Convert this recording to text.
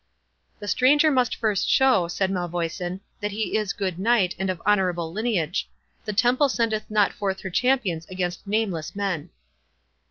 "The stranger must first show," said Malvoisin, "that he is good knight, and of honourable lineage. The Temple sendeth not forth her champions against nameless men."